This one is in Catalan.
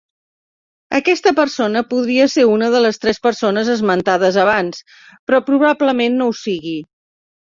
Aquesta persona podria ser una de les tres persones esmentades abans, però probablement no ho sigui.